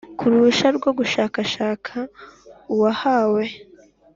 Ku ruhushya rwo gushakashaka uwahawe